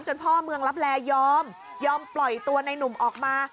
พ่อเมืองลับแลยอมยอมปล่อยตัวในหนุ่มออกมา